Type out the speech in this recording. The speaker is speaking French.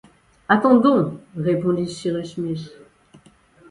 Attendons! répondit Cyrus Smith.